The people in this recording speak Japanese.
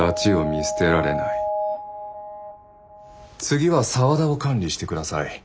次は沢田を管理して下さい。